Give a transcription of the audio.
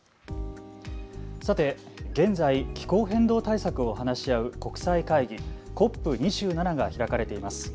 さて、現在、気候変動対策を話し合う国際会議、ＣＯＰ２７が開かれています。